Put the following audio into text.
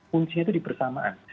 kuncinya itu di bersamaan